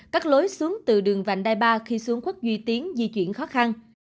các lối xuống từ đường vành đai ba khi xuống quốc duy tiến di chuyển khó khăn